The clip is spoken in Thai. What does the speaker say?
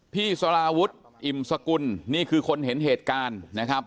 พี่สาราวุฒิอิ่มสกุลนี่คือคนเห็นเหตุการณ์นะครับ